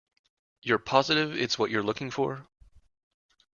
You're positive it's what you're looking for?